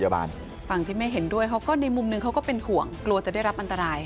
ฝั่งที่ไม่เห็นด้วยเขาก็ในมุมหนึ่งเขาก็เป็นห่วงกลัวจะได้รับอันตราย